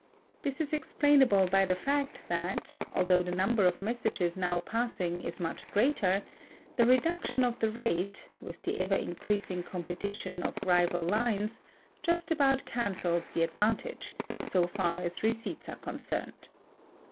This is explainable by the fact that, although the number of messages now passing is much greater, the reduction of the rate (with the ever increasing competition of rival lines) just about cancels the advantage, so far as receipts are concerned.